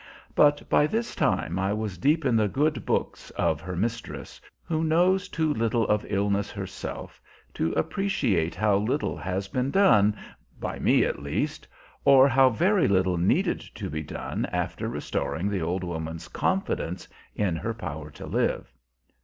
But by this time I was deep in the good books of her mistress, who knows too little of illness herself to appreciate how little has been done, by me at least, or how very little needed to be done after restoring the old woman's confidence in her power to live.